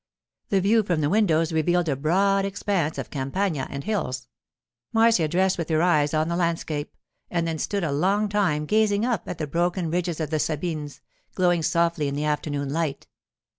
The view from the windows revealed a broad expanse of Campagna and hills. Marcia dressed with her eyes on the landscape, and then stood a long time gazing up at the broken ridges of the Sabines, glowing softly in the afternoon light.